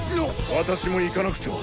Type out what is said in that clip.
私も行かなくては。